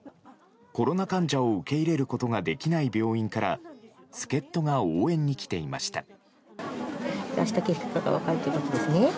コロナ患者を受け入れることができない病院から助っ人が応援に来ていました。